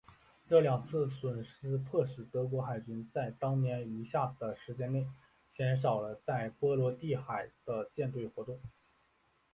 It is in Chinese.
这两次损失迫使德国海军在当年余下的时间内减少了在波罗的海的舰队活动。